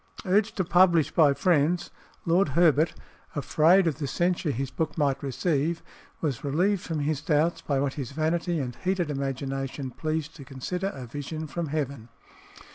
Urged to publish by friends, Lord Herbert, afraid of the censure his book might receive, was relieved from his doubts by what his vanity and heated imagination pleased to consider a vision from heaven.